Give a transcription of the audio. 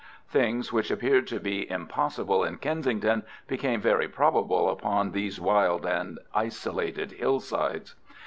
Things which appeared to be impossible in Kensington became very probable upon these wild and isolated hillsides.